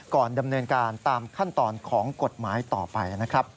ก่อนดำเนินการตามขั้นตอนของกฎหมายต่อไป